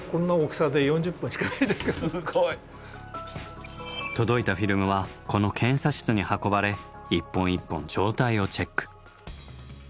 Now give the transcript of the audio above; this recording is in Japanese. ただ届いたフィルムはこの検査室に運ばれ一本一本状態をチェック。